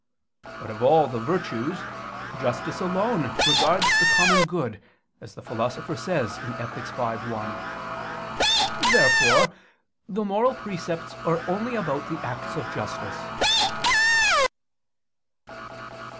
But of all the virtues justice alone regards the common good, as the Philosopher says (Ethic. v, 1). Therefore the moral precepts are only about the acts of justice.